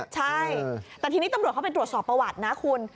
ใช่แต่ทีนี้ตำรวจเข้าไปตรวจสอบประวัตินะคุณ